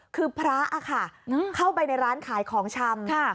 คือพระค่ะเข้าไปในร้านขายของชำ